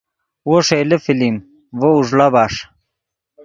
وو ݰئیلے فلم ڤؤ اوݱڑا بݰ